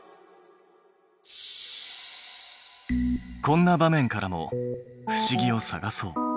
こんな場面からも不思議を探そう。